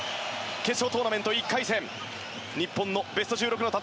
決勝トーナメント１回戦